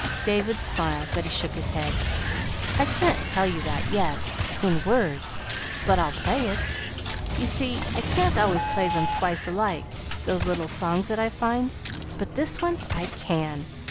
David smiled, but he shook his head. "I can't tell you that yet in words; but I'll play it. You see, I can't always play them twice alike, those little songs that I find, but this one I can.